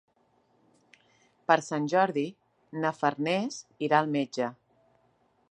Per Sant Jordi na Farners irà al metge.